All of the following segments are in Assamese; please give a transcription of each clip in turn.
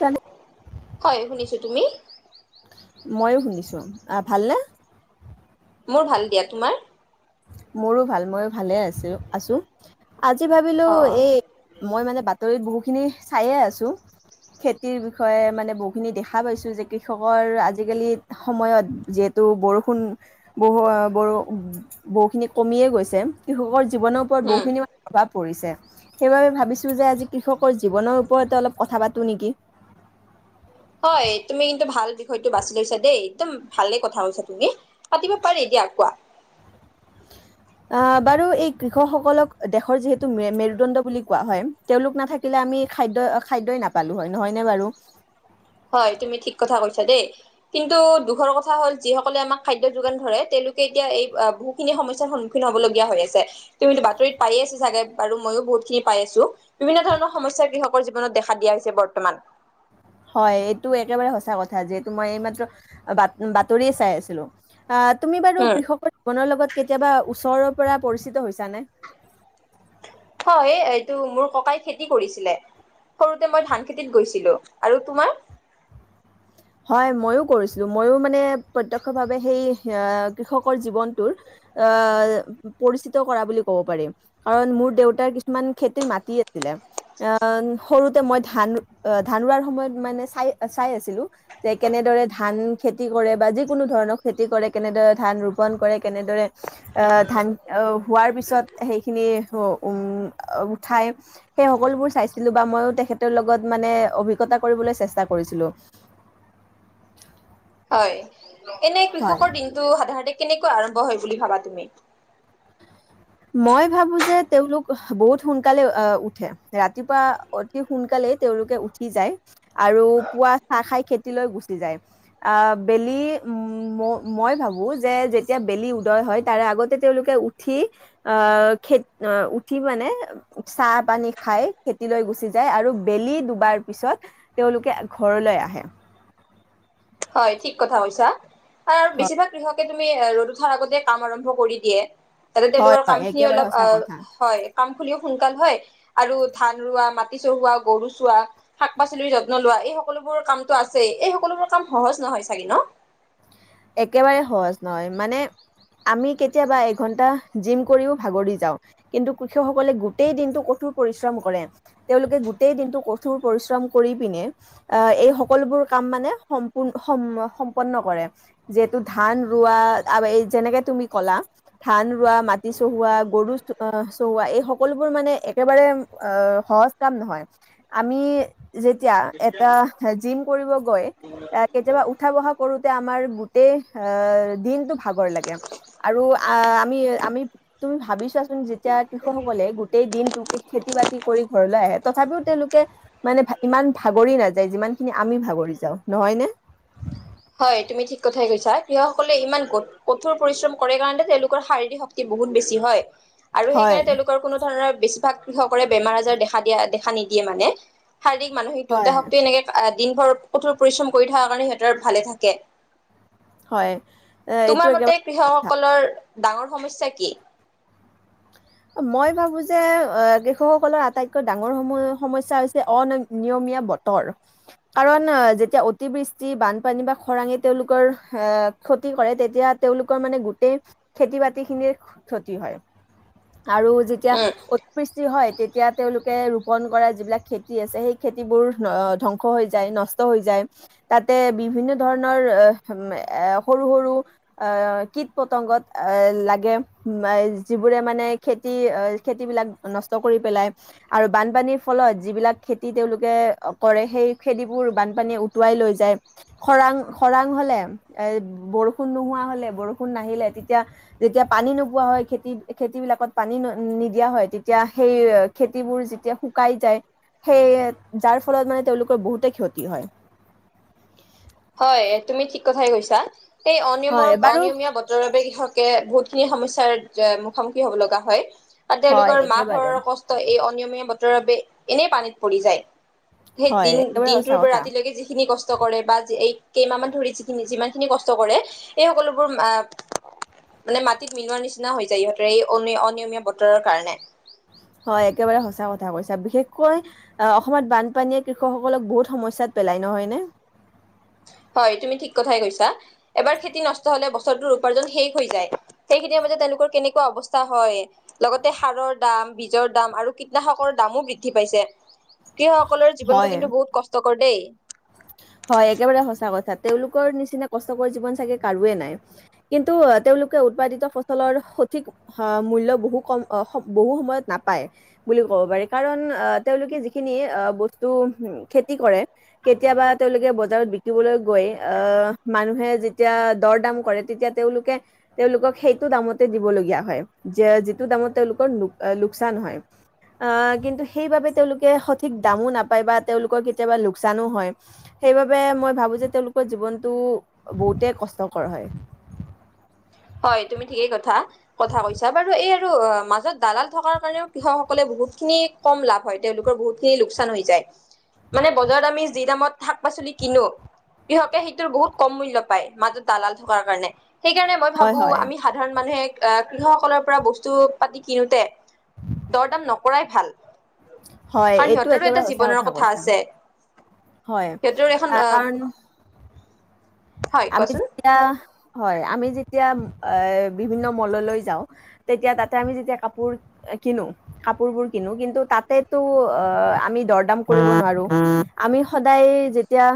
এান হয় শুনিছোঁ তুমি ময়ো শুনিছোঁ ভালনে মোৰ ভাল দিয়া তোমাৰ মোৰো ভাল মইো ভালে আছো আছোঁ আজি ভাবিলো অ এই মই মানে দৰিত বহুখিনি চায়ে আছোঁ খেতিৰ বিষয়ে মানে বহুখিনি দেখা পাইছোঁ যে কৃষকৰ আজিকালি সময়ত যিহেতু বৰষুণ ব ব বহুখিনি কমিয়ে গৈছে কৃষকৰ জীৱনৰ ওপৰত উম বহুখিনি মানে প্ৰভাৱ পৰিছে সেইবাবে ভাবিছো যে আজি কৃষকৰ জীৱনৰ ওপৰতে অলপ কথা পাতো নেকি হয় তুমি কিন্তু ভাল বিষয়টো বাছি লৈছা দেই একদম ভালে কথাছা তুমি পাতিব পাৰি দিয়া কোৱা আহ বাৰু এই কৃষকসকলক দেশৰ যিহেতু মেৰুদণ্ড বুলি কোৱা হয় তেওঁলোক নাথাকিলে আমি খাদ্য খাদ্যই নাপালো হয় নহয়নে বাৰু হয় তুমি ঠিক কথা কৈছা দেই কিন্তু দুখৰ কথা হল যিসকলে আমাক খাদ্য যোগান ধৰে তেওঁলোকে এতিয়া এই বহুখিনি সমস্যয়াৰ সন্মুখীন হবল লগীয়া হৈ আছে তুমিতো বাতৰিত পায় আছা চাগে বাৰু ময়ো বহুতখিনি পাই আছো বিভিন্ন ধৰণৰ সমস্া কৃষকৰ জীৱনত দেখা দিয়া হৈছে বৰ্তমান হয় এইটো একেবাৰে সঁচা কথা যিহেতু মই এইমাত্ৰ বাতৰিয় চাই আছিলো অ তুমি বাৰু উম কৃষকৰ জীৱনৰ লগত কেতিয়াবা ওচৰ পৰা পৰিচিত হৈ হৈছে হয় ত মোৰ ককাই খেতি কৰিছিলে সৰুতে মই ধান খেতিত গৈছিলো আৰু তোমাৰ হয় ময়ো কৰিছিলো মইো মানে প্ৰত্যক্ষ ভাৱে সেই কৃষকৰ জীৱনটোৰ আহ পৰিচিত কৰা বুলি কব পাৰিম কাৰণ মোৰ দেউতাৰ কিছুমান খেতিৰ মাটি আছিলে আহ সৰুতে মই ধান ধান ৰোৱাৰ সময়ত মানে চাই চাই আছিলো যে কেনেদৰে ধান খেতি কৰে বা যিকোনো ধৰণৰ খেতি কৰে কেনেদৰে ধান ৰোপন কৰে কেনেদৰে ধান হোৱাৰ পিছত সেইখিনি উ উঠাই সেই সকলোবোৰ চাইছিলো বা ময়ো তেখেতৰ লগত মানে অভিজ্ঞতা কৰিবলৈ চেষ্টা কৰিছিলোঁ উম হয় এনে কৃষকৰ দিনতটো সাধাৰণতে কেনেকুৱা আৰম্ভ হয় বুলি ভাবা তুমি মই ভাবো যে তেওঁলোক বহুত সোনকালে আহ উঠে ৰাতিপুৱা অতি সোনকালেই তেওঁলোকে উঠি যায় আৰু পুৱা চাহ খাই খেতিলৈ গুচি যায় আহ বেলি উ মই ভাবো যে যেতিয়া বেলি উদয় হয় তাৰে আগতে তেওঁলোকে উঠি আহ খে আহ উঠি মানে চাহ পানী খাই খেতিলৈ গুচি যায় আৰু বেলি দুবাৰ পিছত তেওঁলোকে ঘৰলৈ আহে হয় ঠিক কথা কৈছা আৰু হয় বেছিভাগ কৃষক তুমি ৰ'দ উঠাৰ আগতে কাম আৰম্ভ কৰি দিয়ে তাতে হয় তেওঁলোকৰ হয়, কাম খিনি একেবাৰে অলপ অ সঁচা কথা। হয় কাম খিনিও সোনকাল হয় আৰু ধান ৰোৱা মাটি চহোৱা গৰু চোৱা শাক পাচলিৰ যত্ন লোৱা এই সকলোবোৰ কামতটো আছে এই সকলোবোৰ কাম সহজ নহয় চাগে ন একেবাৰে সহজ নহয় মানে আমি কেতিয়াবা এঘন্টা জিম কৰিও ভাগৰি যাওঁ কিন্তু কৃষকসকলে গোটেই দিনটো কঠোৰ পৰিশ্ৰম কৰে তেওঁলোকে গোটেই দিনটো কঠোৰ পৰিশ্ৰম কৰি পিনে আহ এই সকলোবোৰ কাম মানে সম্প সম্পন্ন কৰে যিহেতু ধান ৰোৱা এই যেনেকে তুমি কলা ধান ৰোৱা মাটি চহোৱা গৰু চহোৱা এই সকলোবোৰ মানে একেবাৰে আহ সহজ কাম নহয় আমি যেতিয়া এটা জিম কৰিব গৈ কেতিয়াবা উঠা বহা কৰোতে আমাৰ গোটেই আহ দিনটো ভাগৰ লাগে আৰু আহ আমি আমি তুমি ভাবি চোৱাচোন যেতিয়া কৃষকসকলে গোটেই দিনটোক খেতি বাতি কৰি ঘৰলৈ আহে তথাপিও তেওঁলোকে মানে ইমান ভাগৰি নাযায় যিমানখিনি আমি ভাগৰি যাও নহয় নে হয় তুমি ঠিক কথাই কৈছা কৃষকসকলে ইমান কঠোৰ পৰিশ্ৰম কৰে কাৰণতে তেওঁলোকৰ শাৰীৰিক শক্তি বহুত বেছি হয় আৰু হয় সেইকাৰণে তেওঁলোকৰ কোনো ধৰণৰ বেছিভাগ কৃষকৰে বেমাৰ আজাৰ দেখা দিয়া দেখা নিদিয়ে মানে শাৰীৰিক মানসিক দুয়োটা হয়। শক্ত এনেকে দিন ভৰ কঠোৰ পৰিশ্ৰম কৰি থকাৰ কাৰণে সিহঁতৰ ভালে থাকে হয় এ, এইটো তোমাৰ মতে একেবাৰে সঁচা। কৃষকসকলৰ ডাঙৰ সমস্যা কি মই ভাবো যে কৃষকসকলৰ আটাইতকৈ ডাঙৰ সম সমস্যা হৈছে অন নিয়মীয়া বতৰ কাৰণ যেতিয়া অতিবৃষ্টি বানপানী বা খৰাঙে তেওঁলোকৰ এ ক্ষতি কৰে তেতিয়া তেওঁলোকৰ মানে গোটেই খেতি বাতি খিনিৰ ক্ষতি হয় আৰু যেতিয়া উম অতিপৃষ্টি হয় তেতিয়া তেওঁলোকে ৰোপন কৰা যিবিলাক খেতি আছে সেই খেতিবোৰ ধ্বংস হৈ যায় নষ্ট হৈ যায় তাতে বিভিন্ন ধৰণৰ এ সৰু সৰু আহ কীট পতংগত লাগে যিবোৰে মানে খেতি খেতিবিলাক নষ্ট কৰি পেলাই আৰু বানপানীৰ ফলত যিবিলাক খেতি তেওঁলোকে কৰে সেই খেতিবোৰ বানপানীয়ে উটুৱাই লৈ যায় খৰাং খৰাং হলে এ বৰষুণ নোহোৱা হলে বৰষুণ নাহিলে তেতিয়া যেতিয়া পানী নোপোৱা হয় খেতি খেতি বিলাকত পানী নিদিয়া হয় তেতিয়া সেই খেতিবোৰ যেতিয়া শুকাই যায় সেই যাৰ ফলত মানে তেওঁলোকৰ বহুতে ক্ষতি হয় হয় তুমি ঠিক কথাই কৈছা এই অনিয়মৰ হয় বাৰু অনিয়মীয়া বতৰ বাবে কৃষক বহুতখিনি সমস্যাৰ মুখামুখি হ'ব লগা হয় আৰু হয় তেওঁলোকৰ মাহ একেবাৰে ফৰৰ কষ্ট এই নিয়মীয়া বতৰৰ বাবে এনেই পানীত পৰি যায় সেই হয় দিন একেবাৰে সঁচা দিনটোৰ পৰা কথা ৰাতিলৈকে যিখিনি কষ্ট কৰে বা এই কেইমাহ মান ধৰি যিখিনি যিমান খিনি কষ্ট কৰে এই সকলোবোৰ আহ মানে মাটিত মিলোৱা নিচিনা হৈ যায় সিহঁতৰ এই অনিয়মীয়া বতৰৰ কাৰণে হয় একেবাৰে সচা কথা কৈছা বিশেষকৈ অসমত বানপানীয়ে কৃষকসকলক বহুত সমস্যাত পেলায় নহয়নে হয় তুমি ঠিক কথাই কৈছা এবাৰ খেতি নষ্ট হলে বছৰটোৰ উপাৰ্জন শেষ হৈ যায় সেই খেতিৰ মাজত তেওঁলোকৰ কেনেকুৱা অৱস্থা হয় লগতে সাৰৰ দাম বীজৰ দাম আৰু কীটনাশকৰ দামো বৃদ্ধি পাইছে সেই সকলৰ জীৱনটো হয় কিন্তু বহুত কষ্টকৰ দেই হয়, একেবাৰে সঁচা কথা। তেওঁলোকৰ নিচিনা কষ্টকৰ জীৱন চাগে কাৰোৱে নাই কিন্তু তেওঁলোকে উৎপাদিত ফচলৰ সঠিক মূল্ বহু কম বহু সময়ত নাপায় বুলি ক'ব পাৰি কাৰণ আহ তেওঁলোকে যিখিনি খেতি কৰে কেতিয়াবা তেওঁলোকে বজাৰত বিকিবলৈ গৈ আহ মানুহে যেতিয়া দৰ দাম কৰে তেতিয়া তেওঁলোকে তেওঁলোকক সেইটো দামতে দিবলগীয়া হয় যিটো দামত তেওঁলোকৰ লোকচান হয় আহ কিন্তু সেইবাবে তেওঁলোকে সঠিক দামো না তেওঁলোকৰ কেতিয়াবা লোকচানও হয়, মই ভাবোঁ যে তেওঁলোকৰ জীবনটো বহুতে কষ্টকৰ হয়। হয় তুমি ঠিকেই কথা কথা কৈছা বাৰু এই আৰু মাজত দালাল থকাৰ কাৰণেও কৃষকসকলে বহুত খিনি কম লাভ হয় তেওঁলোকৰ বহুত খিনি লোকচান হৈ যায় মানে বজাৰত আমি যি দামত শাক পাচলি কিনো কৃষকে সেইটোৰ বহুত কম মূল্য পায় মাজত দালাল থকাৰ কাৰণে সেইকাৰণে হয় হয় আমি সাধাৰণ মানুহে আহ কৃষকসকলৰ পৰা বস্তু পাতি কিনোতে দৰ দাম নকৰাই ভাল হয় কাৰণ এইটো সিহঁতৰো এটা একেবাৰে সচা জীৱনৰ কথা কৈছা আছে হয় সিহঁতৰ এখন আহ অ কাৰণ হয় আমি কোৱাচোন যেতিয়া হয় আমি যেতিয়া বিভিন্ন মললৈ যাওঁ তেতিয়া তাতে আমি যেতিয়া কাপোৰ কিনো কাপোৰোৰ কিনো কিন্তু তাতেতো আমি দৰদ কৰিব নোৱাৰো আমি সদায় যেতিয়া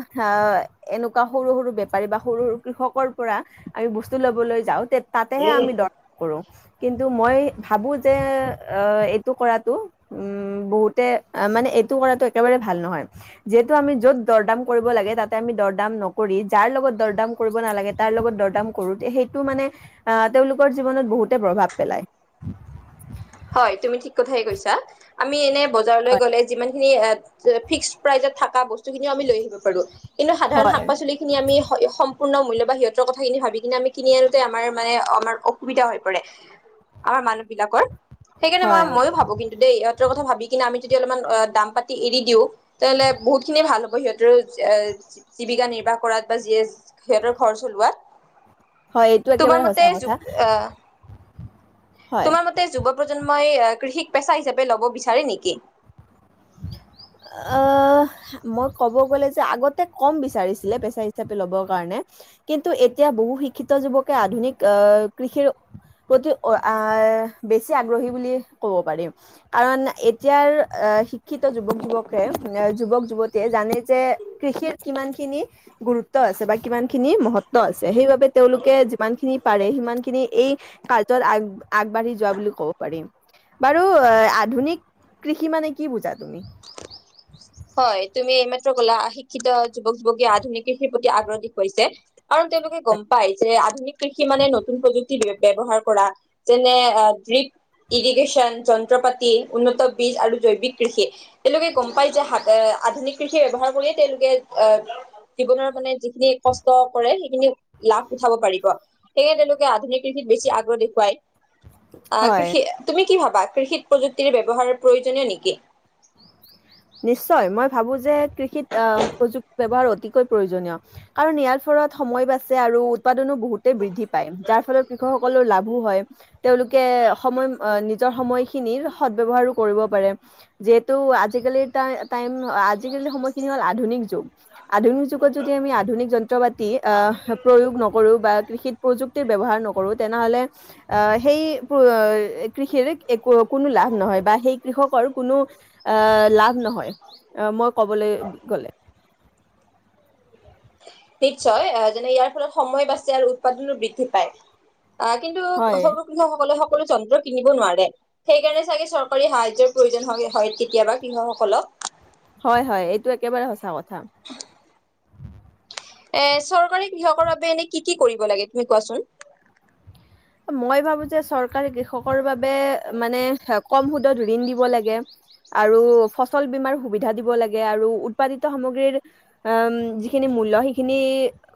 এনেকুৱা সৰু স সৰু কৃষকৰ পৰা আমি বস্তু ল'বলৈ যাওঁতে তাতেহে আমি দৰ্শ কৰোঁ কিন্তু মই ভাবো যে অ এইটো কৰাটো উম বহুতে মানে এইটো কৰাটো একেবাৰে ভাল নহয় যিহেতু আমি য'ত দৰদাম কৰিব লাগে তাতে আমি দৰদাম নকৰি যাৰ লগত দৰদাম কৰিব নালাগে তাৰ লগত দৰদাম কৰোঁতে সেইটো মানে আহ তেওঁলোকৰ জীৱনত বহুতে প্ৰভাৱ পেলায় হয় তুমি ঠিক কথাই কৈছা আমি এনে বজাৰলৈ গ'লে যিমান এ ফিক্স প্ৰাইজত থাকা বস্তুখিনিও আমি লৈ আহিব পাৰোঁ কিন্তু সাধাৰণ হয় শাক পাচলি খিনি আমি সম সম্পূৰ্ণ মূল্য বা সিহঁতৰ কথাখিনি ভাবি কিনে আমি কিনি আনোতে আমাৰ মানে আমাৰ অসুবিধা হৈ পৰে আমাৰ মানুহ বিলাকৰ সেইকাৰণে হয় মই ময়ো ভাবোঁ কিন্তু দেই ইহঁতৰ কথা ভাবি কিনে আমি যদি অলপমান দাম পাতি এৰি দিওঁ তেনেহলে বহুতখিনি ভাল হ'ব সিহঁতৰো জীৱিকা নিৰ্বাহ কৰাত বা যিয়ে সিহঁতৰ ঘৰ চলোৱাত হয় এইটো তোমাৰ একেবাৰে মতে সঁচা কথা আহ হয় তোমাৰ মতে যুৱক প্ৰজন্মই কৃষিক পেচা হিচাপে ল'ব বিচাৰে নেকি আহ মই ক'ব গ'লে যে আগতে কম বিচাৰিছিলে পেচা হিচাপে ল'ব কাৰণে কিন্তু এতিয়া বহু শিক্ষিত যুৱকে আধুনিক আহ কৃষিৰ প্ৰতি আহ বেছি আগ্ৰহী বুলি কব পাৰিম কাৰণ এতিয়াৰ আহ শি শিক্ষিত যুৱক যুৱকে যুৱক যুৱতীয়ে জানে যে কৃষিৰ কিমান খিনি গুৰুত্ব আছে বা কিমান খিনি মহত্ব আছে সেইবাবে তেওঁলোকে যিমান খিনি পাৰে সিমান খিনি এই কাৰ্যত আগ আগবাঢ়ি যোৱা বুলি ক'ব পাৰিম বাৰু এ আধুনিক কৃষি মানে কি বুজা তুমি হয় তুমি এইমাত্ৰ কলা শিক্ষিত যুৱক যুৱতীয়ে আধুনিক কৃষিৰ প্ৰতি আগ্ৰহী হৈছে কাৰণ তেওঁলোকে গম পাই যে আধুনিক কৃষি মানে নতুন প্ৰযুক্তি বে ব্যৱহাৰ কৰা যেনে দ্ৰিপ ইৰিগেচন যন্ত্ৰ পাতি উন্নত বীজ আৰু জৈৱিক কৃষি তেওঁলোকে গম পাই যে সা এ আধুনিক কৃষি ব্যৱহাৰ কৰিয়ে তেওঁলোকে আহ জীৱনৰ মানে যিখিনি কষ্ট কৰে সেইখিনি লাভ উঠাব পাৰিব সেয়ে তেওঁলোকে আধুনিক কৃষিত বেছি আগ্ৰহ দেখুৱায় আহ হয় কৃষি তুমি কি ভাব বা কৃষিত প্ৰযুক্তিৰ ব্যৱহাৰ প্ৰয়োজনীয় নেকি নিশ্চয় মই ভাবো যে কৃষিত আহ প্ৰযুক্তি ব্যৱহাৰ অতিকৈ প্ৰয়োজনীয় কাৰণ ইয়াৰ ফলত সময় বাচে আৰু উৎপাদনো বহুতেই বৃদ্ধি পায় যাৰ ফলত কৃষকসকলৰ লাভো হয় তেওঁলোকে সময় নিজৰ সময়খিনিৰ সদ ব্যবহাৰো কৰিব পাৰে যিহেতু আ আজি কালি টা টাইম আজিকালি সময়খিনি হ'ল আধুনিক যুগ আধুনিক যুগত যদি আমি আধুনিক যন্ত্ৰ পাতি আহ প্ৰয়োগ নকৰো বা কৃষিত প্ৰযুক্তিৰ ব্যৱহাৰ নকৰো তেনেহলে অ সেই কু কৃষিৰ একো কোনো লাভ নহয় বা সেই কৃষকৰ কোনো আ লাভ নহয় আহ মই ক'বলৈ গ'লে নিশ্চয় এ যেনে ইয়াৰ ফলত সময় বাছে আৰু উৎপাদনো বৃদ্ধি পায় অ কিন্তু হয়। সৰু কৃষকসকলে কোনো যন্ত্ৰ কিনিব নোৱাৰে সেইকাৰণে চাগে চৰকাৰী সাহায্যৰ প্ৰয়োজন হয় হয় কেতিয়াবা কৃষকসকলক হয় হয় এইটো একেবাৰে সঁচা কথা এ চৰকাৰে কৃষকৰ বাবে এনে কি কি কৰিব লাগে তুমি কোৱাচোন মই ভাবো যে চৰকাৰে কৃষকৰ বাবে মানে কম সুদত ঋণ দিব লাগে আৰু ফচল বীমাৰ সুবিধা দিব লাগে আৰু উৎপাদিত সামগ্ৰীৰ অম যিখিনি মূল্য সেইখিনি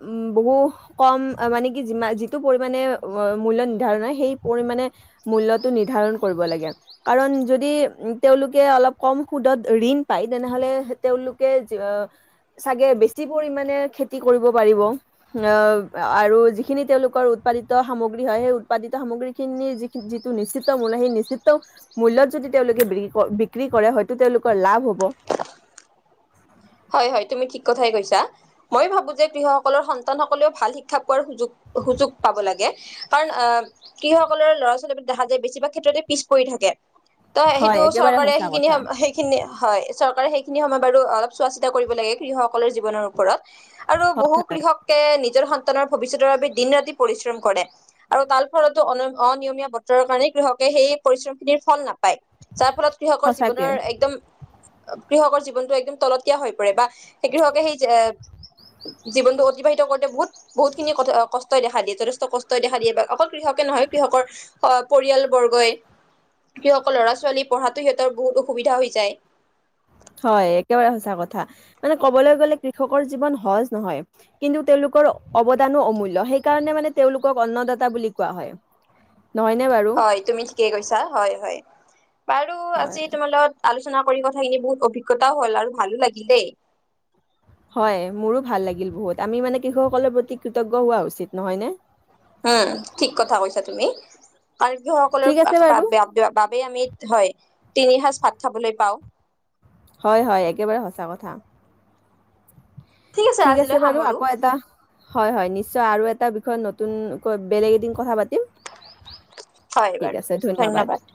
উম বহু কম মানে কি যিমা যিটো পৰিমাণে মূল্য নিৰ্ধাৰণ হয় সেই পৰিমাণে মূল্যটো নিৰ্ধাৰণ কৰিব লাগে। কাৰণ যদি তেওঁলোকে অলপ কম সুদত ঋণ পাই তেনেহলে তেওঁলোকে অ চাগে বেছি পৰিমাণে খেতি কৰিব পাৰিব অ আৰু যিখিনি তেওঁলোকৰ উৎপাদিত সামগ্ৰী হয় সেই উৎপাদিত সামগ্ৰী খিনিৰ যি যিটো নিশ্চিত মূল সেই নিশ্চিত মূল্যত যদি তেওঁলোকে বিক বিক্ৰী কৰে হয়তো তেওঁলোকৰ লাভ হ'ব হয় হয় তুমি ঠিক কথাই কৈছা মই ভাবো যে কৃষকসকলৰ সন্তান সকলেও ভাল শিক্ষা পোৱাৰ সুযোগ সুযোগ পাব লাগে কাৰণ আহ কৃষসকলৰ ল'ৰা ছোৱালী দেখা যায় বেছিভাগ ক্ষেত্ৰতে পিছ পৰি থাকে ত হয় সেইটো একেবাৰে চৰকাৰে সঁচা সেইখিনি কথা সেইখিনি হয় চৰকাৰে সেইখিনি সময় বাৰু অলপ চোৱা চিতা কৰিব লাগে কৃহকসকলৰ জীৱনৰ ওপৰত আৰু বহু কৃষককে নিজৰ নৰ ভৱিষ্যতৰ বাবে দিন ৰাতি পৰিশ্ৰম কৰে আৰু তাৰ ফলতো অনিয়মীয়া বতৰৰ কাৰণে কৃষকে সেই পৰিশ্ৰম খিনিৰ ফল নাপ পায় যাৰ ফলত কৃষকৰ সঁচাকে জীৱনৰ একদম কৃষকৰ জীৱনটো একদম তলত য়া হৈ পৰে বা সেইখিন হকে সেই জীৱনটো অতিবাহিত কৰোতে বহুত বহুতখিনি ক কষ্টই দেখা দিয়ে যথেষ্ট কষ্টই দেখা দিয়ে বা অকল কৃষকে নহয় কৃষকৰ পৰিয়াল বৰ্গই কৃষকৰ লৰা ছোৱালী পঢ়াতো সিহঁতৰ বহুত অসুবিধা হৈ যায় হয় একেবাৰে সচা কথা মানে কবলৈ গলে কৃষকৰ জীৱন সহজ নহয় কিন্তু তেওঁলোকৰ অৱদানো অমূল্য় সেইকাৰণে মানে তেওঁলোকক অন্নদাতা বুলি কোৱা হয় নহয়নে বাৰু হয় তুমি ঠিকেই কৈছা হয় হয় বাৰু হয় আজি তোমাৰ লগত আলচ চ কৰি কথাখিনি বহুত অভিজ্ঞতাও হ'ল আৰু ভালো লাগিলেই হয় মোৰো ভাল লাগিল বহুত আমি মানে কৃষকসকলৰ প্ৰতি কৃতজ্ঞ হোৱা উচিত নহয়নে উম ঠিক কথা কৈছা তুমি কাৰ ঠিক গৃহসকলৰ আছে বাৰু বাবোবেই আমি হয় তিনি সজ ভাত খাবলৈ পাও হয় হয় একেবাৰে সঁচা কথা ঠিক আছে বাৰু আকৌ এটা হয় হয় নিশ্চয় আৰু এটা বিষয়ত নতুন বেলেগ এদিন কথা পাতিম হয় ঠিক বাৰু আছে ধন্যবাদ